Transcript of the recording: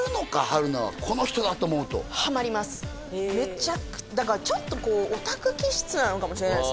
春菜はこの人だと思うとハマりますだからちょっとこうオタク気質なのかもしれないですね